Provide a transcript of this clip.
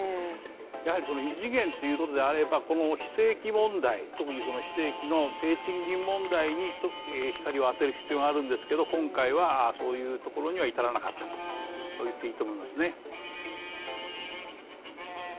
やはり異次元ということであればこの非正規問題、特に非正規の低賃金問題に、光を当てていく必要があるんですけど今回はそういうところには至らなかったと言っていいと思いますね。